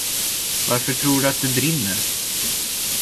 Varför tror du att du brinner?